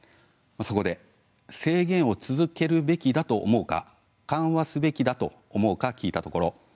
そこで制限を続けるべきだと思うか緩和すべきだと思うか聞きました。